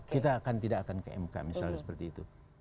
kita tidak akan ke mk misalnya seperti itu